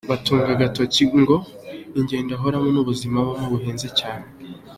Bagatunga agatoki ngo ingendo ahoramo n’ubuzima abamo buhenze cyane.